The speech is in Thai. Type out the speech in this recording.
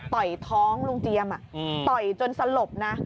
ยท้องลุงเจียมต่อยจนสลบนะ